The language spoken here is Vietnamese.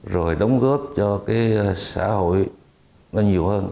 rồi đóng góp cho cái xã hội nó nhiều hơn